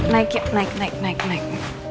naik naik naik naik